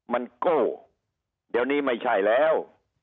มันโก้เดี๋ยวนี้ไม่ใช่แล้ว